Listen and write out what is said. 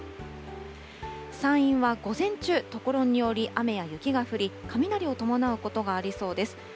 山陰は午前中、ところにより雨や雪が降り、雷を伴うことがありそうです。